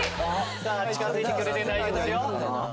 さぁ近づいてくれて大丈夫ですよ。